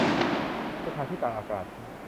สถานที่ตากอากาศ